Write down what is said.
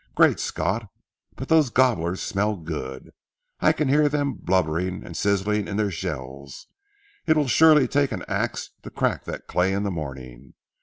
Great Scott!—but those gobblers smell good. I can hear them blubbering and sizzling in their shells. It will surely take an axe to crack that clay in the morning.